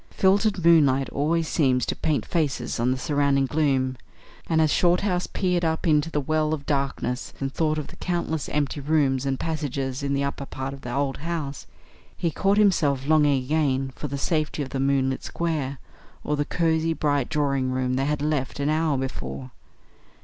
Filtered moonlight always seems to paint faces on the surrounding gloom, and as Shorthouse peered up into the well of darkness and thought of the countless empty rooms and passages in the upper part of the old house, he caught himself longing again for the safety of the moonlit square, or the cosy, bright drawing room they had left an hour before.